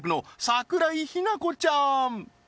桜井日奈子ちゃん